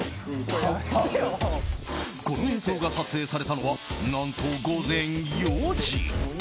この映像が撮影されたのは何と午前４時。